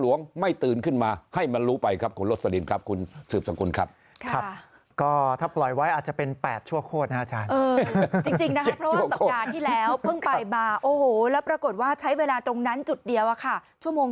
แล้วปรากฏว่าใช้เวลาตรงนั้นจุดเดียวอ่ะค่ะชั่วโมง